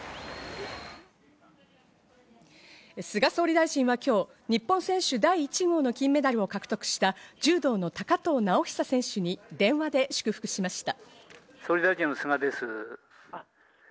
菅総理大臣は今日、日本選手第１号の金メダルを獲得した柔道の高藤直寿選手に電話で祝福しました。